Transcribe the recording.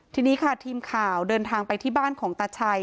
ทีนี้ค่ะทีมข่าวเดินทางไปที่บ้านของตาชัย